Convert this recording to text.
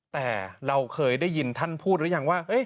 แต่เราเคยได้ยินท่านพูดหรือยังว่า